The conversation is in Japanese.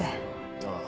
ああ。